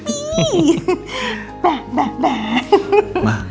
bah bah bah